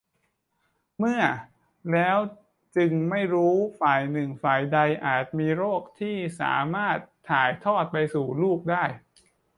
เมื่อ แล้วจึงไม่รู้ว่าฝ่ายหนึ่งฝ่ายใดอาจมีโรคที่สามารถถ่ายทอดไปสู่ลูกได้